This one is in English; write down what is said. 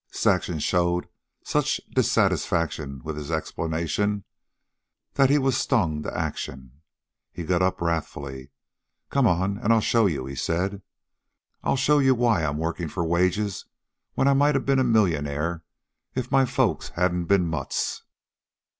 Saxon showed such dissatisfaction with his explanation that he was stung to action. He got up wrathfully. "Come on, an' I'll show you," he said. "I'll show you why I'm workin' for wages when I might a ben a millionaire if my folks hadn't been mutts.